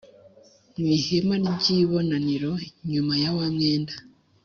Mu ihema ry ibonaniro inyuma ya wa mwenda